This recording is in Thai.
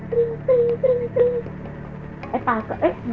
ตริ่งตริ่งตริ่งตริ่ง